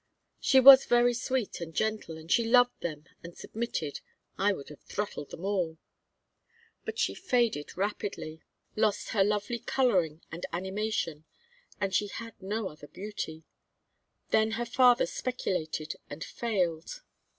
She was very sweet and gentle, and she loved them and submitted (I would have throttled them all). But she faded rapidly, lost her lovely coloring and animation, and she had no other beauty. Then her father speculated and failed.